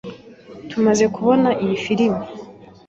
Tumaze kubona iyi firime.